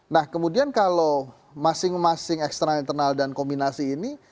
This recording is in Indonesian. nah kemudian kalau masing masing eksternal internal dan kombinasi ini